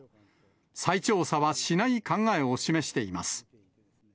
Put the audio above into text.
再調査はしない考えを示しています。